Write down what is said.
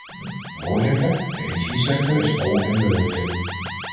Voorzitter, de energiesector is volop in beweging.